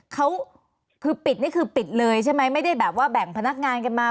เขาคือปิดนี่คือปิดเลยใช่ไหมไม่ได้แบบว่าแบ่งพนักงานกันมา